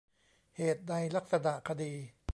เหตุในลักษณะคดี